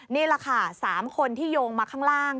นี่แหละค่ะ๓คนที่โยงมาข้างล่าง